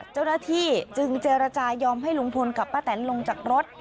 เจ้าหน้าที่จึงเจรจายอมให้ลุงพลกับป้าแตนลงจากรถ